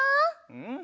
うん！